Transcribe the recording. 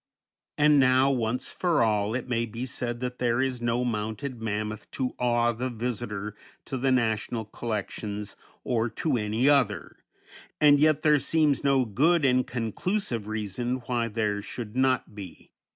And now, once for all, it may be said that there is no mounted mammoth to awe the visitor to the national collections or to any other; and yet there seems no good and conclusive reason why there should not be.